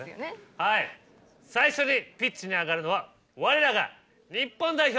はい最初にピッチに上がるのはわれらが日本代表